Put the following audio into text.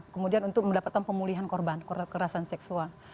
kemudian untuk mendapatkan pemulihan korban kekerasan seksual